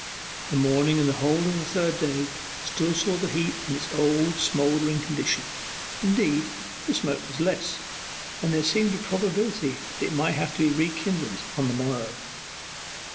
The morning and the whole of the third day still saw the heap in its old smouldering condition; indeed, the smoke was less, and there seemed a probability that it might have to be re kindled on the morrow.